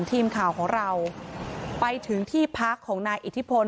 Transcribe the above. ทีมข่าวของเราไปถึงที่พักของนายอิทธิพล